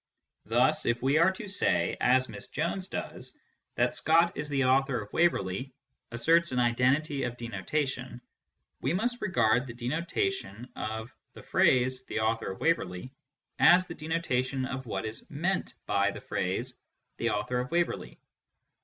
Thus if we are to say, as Miss Jones does, that " Scott is the author of Waverley " asserts an identity of denotation, we must regard the denotation of " the author of Waverley " as the denota tion of what is meant by " the author of Waverley."